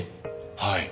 はい。